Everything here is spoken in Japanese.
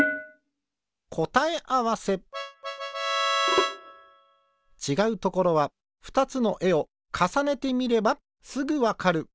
こたえあわせちがうところはふたつのえをかさねてみればすぐわかる。